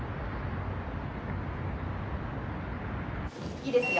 ・いいですよ。